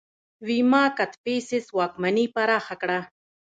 ویما کدفیسس واکمني پراخه کړه